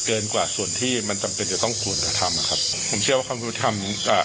เกินกว่าส่วนที่มันจำเป็นจะต้องควรจะทำอ่ะครับผมเชื่อว่าความยุติธรรมอ่า